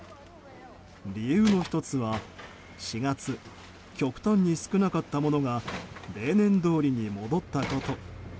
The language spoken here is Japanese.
理由の１つは４月、極端に少なかったものが例年どおりに戻ったこと。